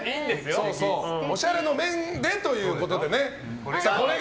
オシャレの面でということでね。